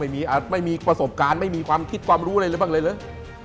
ไม่มีประสบการณ์ไม่มีความคิดความรู้อะไรเลยบ้างเลย